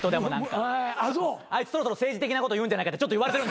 あいつそろそろ政治的なこと言うんじゃないかってちょっといわれてる。